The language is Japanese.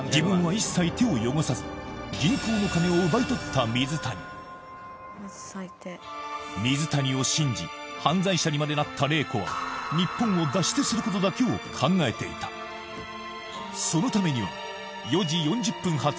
恐怖から水谷に従うことしかできなかった水谷を信じ犯罪者にまでなった玲子は日本を脱出することだけを考えていたそのためには４時４０分発